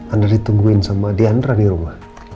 anda ditungguin sama diandra di rumah